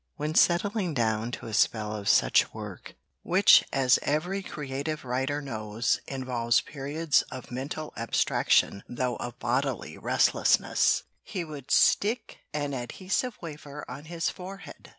When settling down to a spell of such work which as every creative writer knows involves periods of mental abstraction though of bodily restlessness he would stick an adhesive wafer on his forehead.